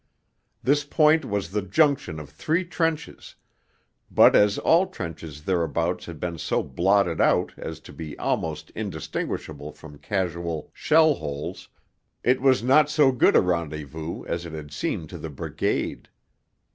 This point was the junction of three trenches, but as all trenches thereabouts had been so blotted out as to be almost indistinguishable from casual shell holes, it was not so good a rendezvous as it had seemed to the Brigade.